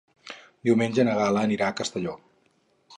Diumenge na Gal·la anirà a Castelló.